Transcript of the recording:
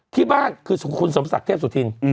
ที่บ้านคือคุณสมศักดิ์เทพสุธิน